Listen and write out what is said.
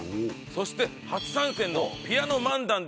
そして初参戦のピアノ漫談でおなじみ！